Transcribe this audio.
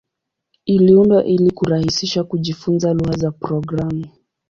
Iliundwa ili kurahisisha kujifunza lugha za programu.